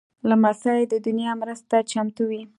لمسی د نیا مرستې ته چمتو وي.